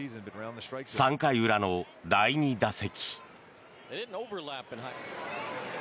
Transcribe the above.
３回裏の第２打席。